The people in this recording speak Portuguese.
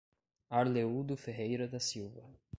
Arleudo Ferreira da Silva